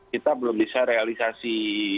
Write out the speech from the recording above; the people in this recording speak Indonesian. kita belum bisa realisasi